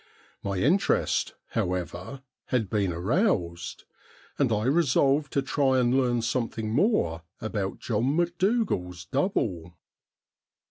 My interest, however, had been aroused, and I resolved to try and learn something more about John Macdougal's double.